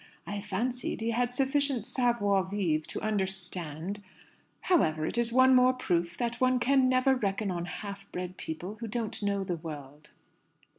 I fancied he had sufficient savoir vivre to understand However, it is one more proof that one can never reckon on half bred people who don't know the world."